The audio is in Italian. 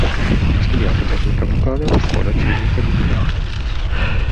Ha studiato tecnica vocale alla Scuola Civica di Milano.